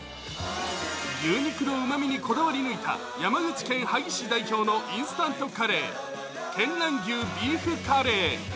牛肉のうまみにこだわり抜いた山口県萩市のインスタントカレー見蘭牛ビーフカレー。